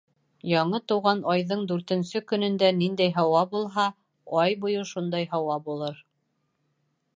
Яны тыуған айҙың дүртенсе көнөндә ниндәй һауа булһа, ай буйы шундай һауа булыр.